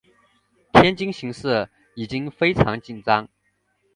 天津形势已经非常紧张。